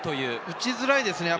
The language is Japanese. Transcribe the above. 打ちづらいですね。